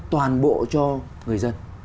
toàn bộ cho người dân